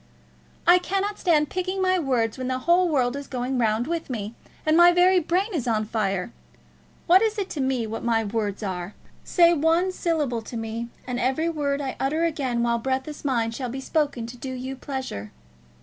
"I cannot stand picking my words when the whole world is going round with me, and my very brain is on fire. What is it to me what my words are? Say one syllable to me, and every word I utter again while breath is mine shall be spoken to do you pleasure.